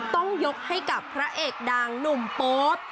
ต้องยกให้กับพระเอกดังหนุ่มโป๊ป